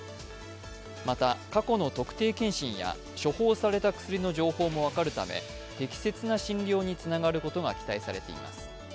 また、過去の特定健診や処方された薬の情報も分かるため適切な診療につながることが期待されています。